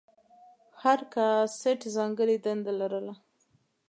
هر کاسټ ځانګړې دنده لرله.